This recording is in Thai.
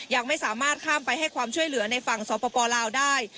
ยังไม่สามารถข้ามไปให้ความช่วยเหลือในฝั่งสปลาวได้